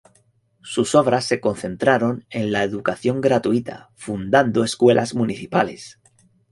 Sus obras se concentraron en la educación gratuita, fundando escuelas municipales.